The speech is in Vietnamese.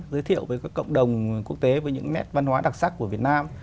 giới thiệu với các cộng đồng quốc tế với những nét văn hóa đặc sắc của việt nam